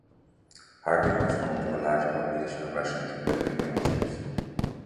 Harbin was home to a large population of Russians, including many Jews.